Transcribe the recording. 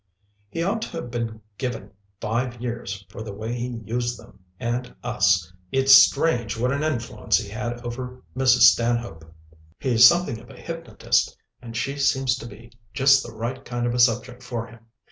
"He ought to have been given five years for the way he used them, and us. It's strange what an influence he had over Mrs. Stanhope." "He's something of a hypnotist, and she seems to be just the right kind of a subject for him.